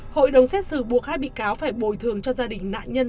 hội đồng xét xử buộc hai bị cáo phải bồi thường cho gia đình nạn nhân